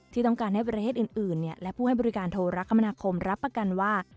ที่ต้องการให้ประเทศอื่นและผู้ให้บริการโทรคมนาคมรับประกันว่า